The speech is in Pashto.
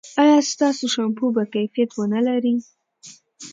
ایا ستاسو شامپو به کیفیت و نه لري؟